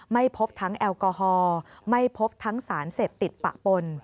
ไม่พบทั้งแอลกอฮอล์ไม่พบทั้งสารเสพติดปะปน